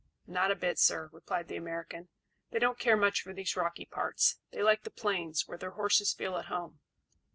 "Not a bit, sir," replied the American. "They don't care much for these rocky parts; they like the plains, where their horses feel at home."